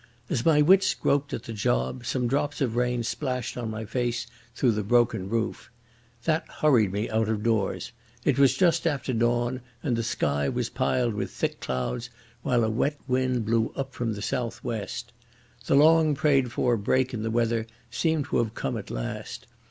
As my wits groped at the job some drops of rain splashed on my face through the broken roof. That hurried me out of doors. It was just after dawn and the sky was piled with thick clouds, while a wet wind blew up from the southwest. The long prayed for break in the weather seemed to have come at last.